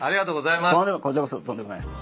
こちらこそとんでもないです。